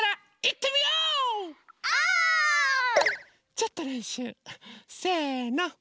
ちょっとれんしゅう。せの。